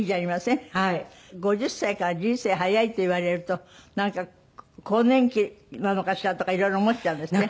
「５０歳から人生早い」と言われるとなんか更年期なのかしらとかいろいろ思っちゃうんですって？